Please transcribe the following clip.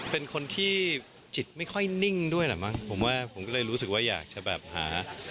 เป็นคนที่จิตไม่ค่อยนิ่งด้วยแหละมั้งผมว่าผมก็เลยรู้สึกว่าอยากจะแบบหา